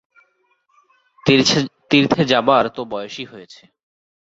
তীর্থে যাবার তো বয়সই হয়েছে।